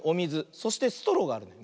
そしてストローがあるね。